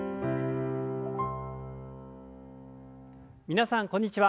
皆さんこんにちは。